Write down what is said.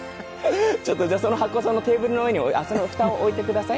ちょっとじゃあその箱そのテーブルの上にあっその蓋を置いてください。